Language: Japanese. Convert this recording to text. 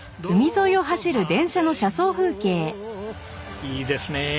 いいですね。